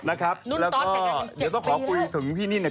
นุ้นต้อนเต็มกันต่อ๗ปีหรือแล้วก็เดี๋ยวก็ขอพูดถึงพี่นี่เนี่ย